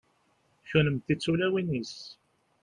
kunemti d tulawin-is